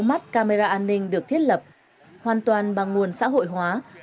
một mươi sáu mắt camera an ninh được thiết lập hoàn toàn bằng nguồn xã hội hóa